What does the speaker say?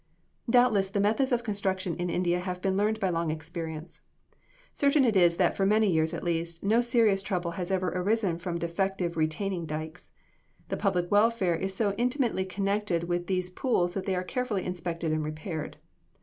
Doubtless the methods of construction in India have been learned by long experience. Certain it is that for many years, at least, no serious trouble has ever arisen from defective retaining dykes. The public welfare is so intimately connected with these pools that they are carefully inspected and repaired.